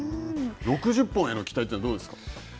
６０本への期待というのはどうですか。